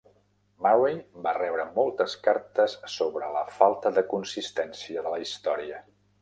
Murray va rebre moltes cartes sobre la falta de consistència de la història.